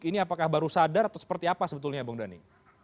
ini apakah baru sadar atau seperti apa sebetulnya bung dhani